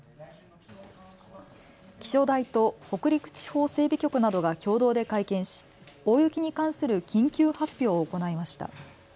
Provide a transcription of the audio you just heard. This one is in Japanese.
気象台と北陸地方整備局などが共同で会見し、大雪に関する緊急発表を行いました。